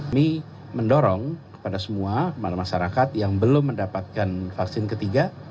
kami mendorong kepada semua masyarakat yang belum mendapatkan vaksin ketiga